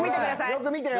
よく見てよ。